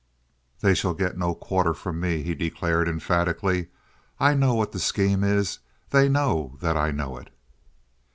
"They shall get no quarter from me!" he declared, emphatically. "I know what the scheme is. They know that I know it."